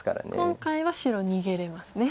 今回は白逃げれますね。